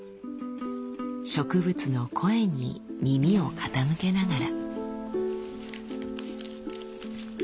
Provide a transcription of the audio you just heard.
植物の声に耳を傾けながら。